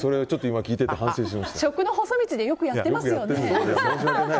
食の細道でよくやってますよね。